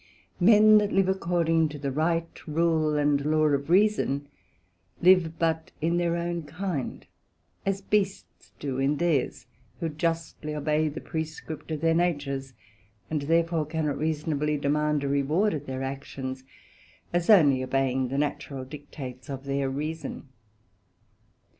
Men that live according to the right rule and law of reason, live but in their own kind, as beasts do in theirs; who justly obey the prescript of their natures, and therefore cannot reasonably demand a reward of their actions, as onely obeying the natural dictates of their reason.